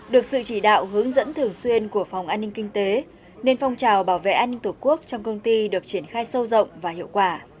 được sự chỉ đạo hướng dẫn thường xuyên của phòng an ninh kinh tế nên phong trào bảo vệ an ninh tổ quốc trong công ty được triển khai sâu rộng và hiệu quả